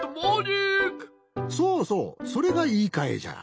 そうそうそれがいいかえじゃ。